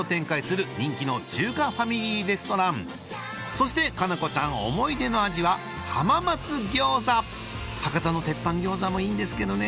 そして夏菜子ちゃん思い出の味は博多の鉄板餃子もいいんですけどね